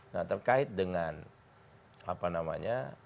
nah terkait dengan apa namanya